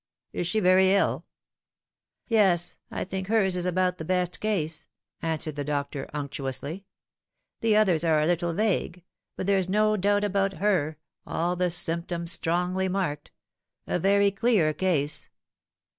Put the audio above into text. Is she very ill ?"" Yes ; I think hers is about the best case," answered the doctor unctuously ;" the others are a little vague ; but there's no doubt about her, all the symptoms strongly marked a very clear case."